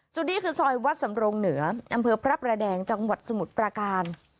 จุดนี้คือซอยวัดสำรงเหนืออำเภอพระประแดงจังหวัดสมุทรประการ